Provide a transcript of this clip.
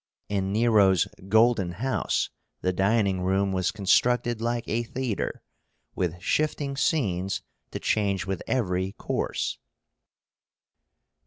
In Nero's "Golden House," the dining room was constructed like a theatre, with shifting scenes to change with every course.